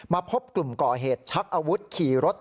พบกลุ่มก่อเหตุชักอาวุธขี่รถ